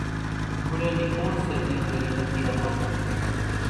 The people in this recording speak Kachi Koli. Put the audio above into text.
ڌوڙيلي ڪوڻ سي زين ڀيري نٿي رماتي